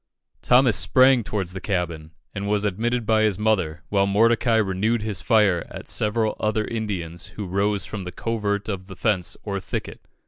Thomas sprang towards the cabin, and was admitted by his mother, while Mordecai renewed his fire at several other Indians who rose from the covert of the fence, or thicket.